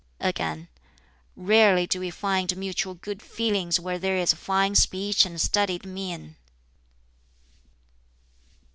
Again, "Rarely do we find mutual good feeling where there is fine speech and studied mien."